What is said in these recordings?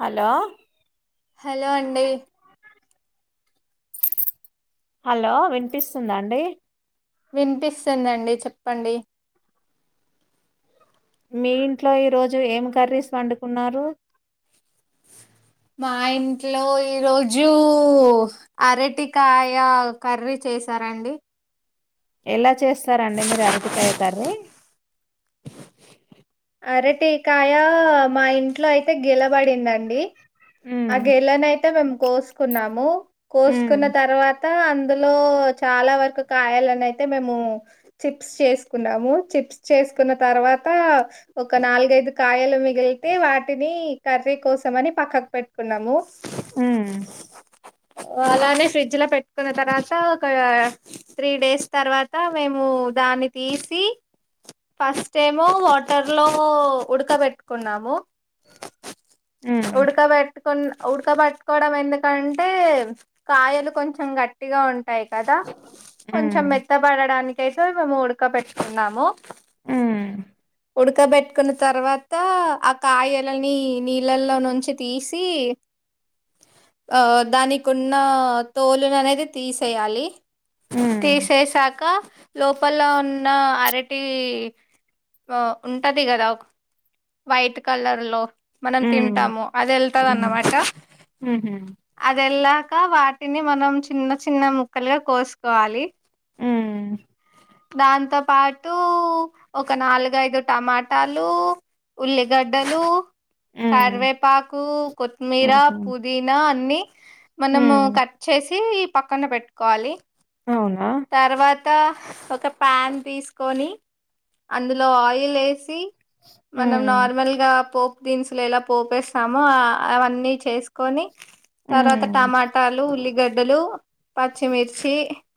Hello hello అండి. Hello వినిపిస్తుందా అండి? విన్పిస్తుందండి చెప్పండి. మీ ఇంట్లో ఈరోజు ఏం కర్రీస్ వండుకున్నారు మా ఇంట్లో ఈ రోజూ అరటికాయ కర్రీ చేశార అండి. ఎలా చేస్తారండి మీరు అరటికాయ కర్రీ? అరటికాయా మా ఇంట్లో అయితే గిలబడిందండి ఆ ఉమ్ గెలనైతే మేమ్ కోస్కున్నాము ఉమ్ కోస్కున్న తర్వాత అ దులో చాలా వరకు కాయాలనయితే మేము చిప్స్ చేస్కున్నాము చిప్స్ చేస్ కున్న తర్వాత ఒక నాలుగైదు కాయలు మిగిలి తే వాటిని కర్రీ కోసమని పక్కక్ పెట్ట్కున్నాము ఉమ్ అలానే ఫ్రిడ్జ్ లో పెట్టుకున్న తర్వాత ఒక త్రీ డేస్ తర్వాత మేము ఒ దాన్ని తీసి ఫస్ట్ ఏమో వాటర్ లో ఉడక బెట్టుకున్నాము ఉమ్ ఉడకబెట్ కొన్ ఉడకబెట్టుకోవడం ఎందుకంటే కాయలు కొంచం గట్టిగా ఉ టాయ్ కదా కొంచం ఉమ్ మెత్తబడడానికైతే మేము ఉడక పెట్టుకున్నాము ఉమ్ ఉడకబెట్టుకున్న తర్వాత ఆ కాయలని నీళ్ళల్లో నుంచి తీసి ఆ దానికున్న తోలును అనేది తీసేయాలి ఉమ్ తీసేశాక లోపల ఉన్న అరటీ ఒ ఉంటది కదా వైట్ కలర్ లో మనం ఉమ్ తింటాము అది ఉమ్ ఎళ్తందన్నమాట ఉహు అది ఎల్లా క వాటిని మనం చిన్న చిన్న ముక్కలుగా కోస్కోవాలి ఉమ్మ్ దాంతో పాటు ఒక నాలుగ్ గ ఐదు టమాటాలు ఉల్లిగడ్డలు ఉమ్ కరివేపాకు కొత్తిమీర ఉహు పుదీనా అన్ని మనము ఉమ్ కట్ చేసి పక్కన పెట్టుకోవాలి అవునా త ఒక ప్యాన్ తీస్కొని అందులో ఆయిల్ ఎసి మనం ఉమ్ నార్మల్ గా పొప్ దినుసులు ఎలా పోపేస్తామో ఆ అవన్నీ చేసుకొని తర్వత ఉమ్ టమాటాలు, ఉల్లిగడ్డలు, పచ్చిమిర్చి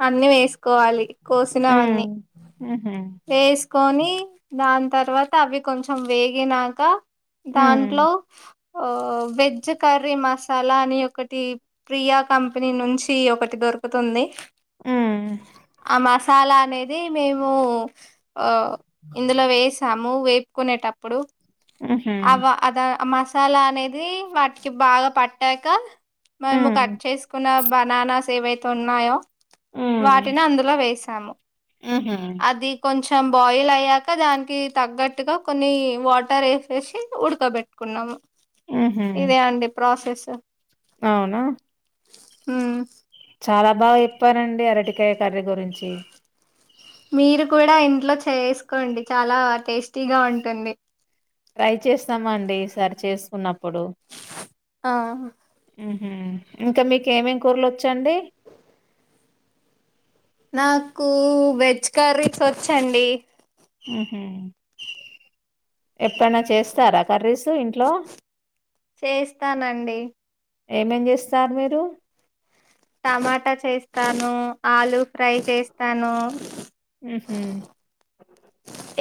అన్ని వేస్ కోవలి కోసినవన్నీ ఉమ్ ఉహు వేస్కోని దాన్తర్వాత అవి కొంచం వేగినాక ఉమ్ దాంట్లొ వెజ్ కర్రీ మసాలా అని ఒకటి ప్రియా కంపెనీ నుంచి ఒకటి దొర్కుతుంది ఉమ్ ఆ మసాలా అనేది మేమూ అ ఇందులో వేసాము వేపుకునేటప్పుడు ఉహు అవా అద అ మస్ సాలా అనేది వాటికి బాగా పట్నాక మేము ఉమ్ కట్ చేస్కూన్న బననాస్ ఏవైతే ఉన్నాయో ఉమ్ వాటిని అందులో వేసాము ఉహు అది కొంచం బాయిల్ అయ్ యాక దాన్కి తగ్గట్టుగా కొన్ని వాటర్ ఏశేశి ఉడ్కబెట్టుకున్నాము ఇదే అండి ప్రాసెస్ ఔనా ఉమ్ చాలా బాగ చెప్పారండి అరటికాయ కర్రీ గురించి మీరు కడా ఇంట్లో చేస్కొండి చాలా టేస్టీగా ఉంటుంది ట్రై చేస్తమండి ఈసరి చేస్కుంన్నప్పుడు ఆ మ్ ఇంక మీకేమేం కూరలోచ్చండి నాకూ వెజ్ కర్రీస్ ఒచ్చండి ఉహు ఎప్పుడ్నా చేస్తారా కర్రీస్ ఇంట్లో చేస్తానండి ఏమేం చేస్తారు మీరు టమాట చేస్తాను, ఆలు ఫ్రై చేస్తాను ఉహు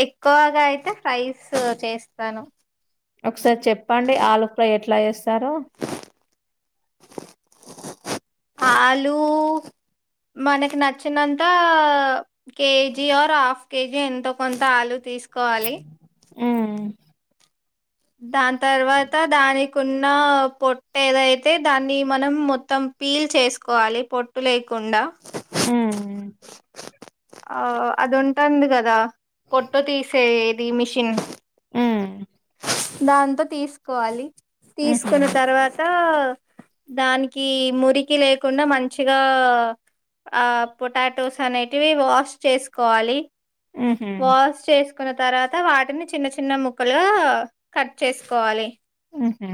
ఎక్కువ్గా ఐతే ఫ్రైస్ చేస్తాను ఒక్సారి చెప్పండి ఆలు ఫ్రై ఎట్లా జేస్తారో ఆలూ మనకి నచ్చినంతా కేజీ ఆర్ హాఫ్ కేజీ ఎంతో కొంత ఆలు తీస్ కోవాలి ఉమ్ దాన్తర్వాత దానికున్నా పొట్టే ఏదైతే దాన్ని మనం మొత్తం పీల్ చేస్కోవాలి పొట్టు లేకుండ ఉమ్ ఆ అది ఉంటంది గదా పొట్టు తీసేది మిషిన్ దాంతో తీస్కోవాలి ఉహు తీస్కున్న తర్వాత [inaudible] దాన్కి మురికి లేకుండ మంచిగా ఆ పొటాటోస్ అనేటివి వాష్ చేసుకోవాలి వాష్ చేస్కున్న తర్వాత వాటిని చిన్న చిన్న ముక్కల్ లా కట్ చేస్కోవాలి ఉహు